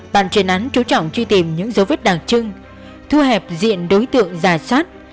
bạn truyền án chú trọng truy tìm những dấu vết đặc trưng thu hẹp diện đối tượng dài xoát